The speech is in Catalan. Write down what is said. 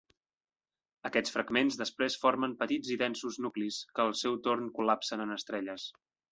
Aquests fragments després formen petits i densos nuclis, que al seu torn col·lapsen en estrelles.